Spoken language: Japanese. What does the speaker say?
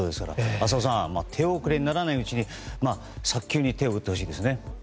浅尾さん手遅れにならないうちに早急に手を打ってほしいですね。